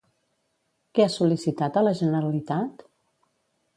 Què ha sol·licitat a la Generalitat?